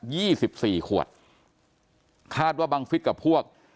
ยี่สิบสี่ขวดคาดว่าบังฤทธิ์กับพวก